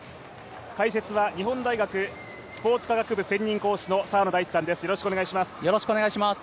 解説は日本大学スポーツ科学部専任講師の澤野大地さんです。